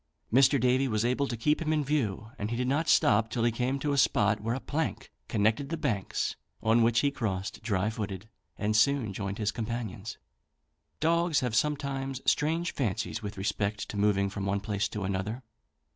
Mr. Davy was able to keep him in view, and he did not stop till he came to a spot where a plank connected the banks, on which he crossed dry footed, and soon joined his companions. Dogs have sometimes strange fancies with respect to moving from one place to another.